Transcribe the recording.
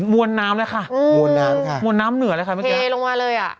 มวลน้ำเลยค่ะมวลน้ำค่ะมวลน้ำเหนือเลยค่ะเมื่อกี้เทลงมาเลยอ่ะ